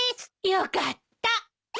よかった。